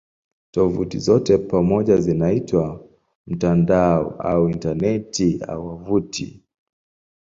Tovuti zote pamoja zinaitwa "mtandao" au "Intaneti" au "wavuti".